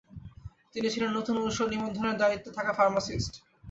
তিনি ছিলেন নতুন ওষুধ নিবন্ধনের দায়িত্বে থাকা ফার্মাসিস্ট।